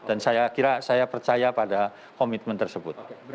dan saya kira saya percaya pada komitmen tersebut